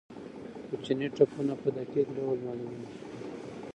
کوچني ټپونه په دقیق ډول معلومېږي.